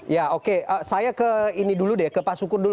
ya oke saya ke ini dulu deh ke pak sukur dulu